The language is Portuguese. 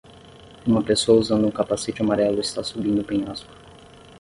Uma pessoa usando um capacete amarelo está subindo um penhasco